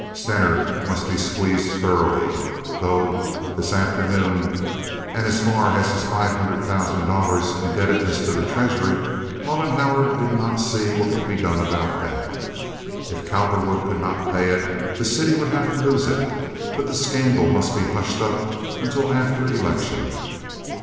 Stener must be squeezed thoroughly, though, this afternoon, and as for his five hundred thousand dollars' indebtedness to the treasury, Mollenhauer did not see what could be done about that. If Cowperwood could not pay it, the city would have to lose it; but the scandal must be hushed up until after election.